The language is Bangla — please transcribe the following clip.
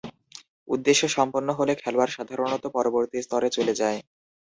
উদ্দেশ্য সম্পন্ন হলে খেলোয়াড় সাধারণত পরবর্তী স্তরে চলে যায়।